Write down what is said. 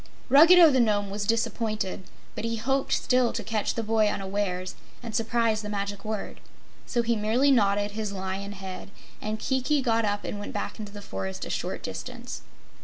Ruggedo the Nome was disappointed, but he hoped still to catch the boy unawares and surprise the Magic Word. So he merely nodded his lion head, and Kiki got up and went back into the forest a short distance.